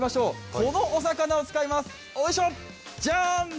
このお魚を使います、ジャーン！